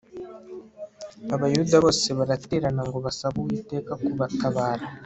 Abayuda bose baraterana ngo basabe Uwiteka kubatabara